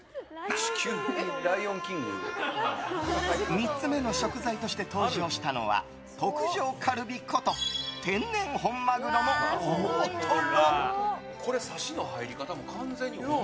３つ目の食材として登場したのは特上カルビこと天然本マグロの大トロ。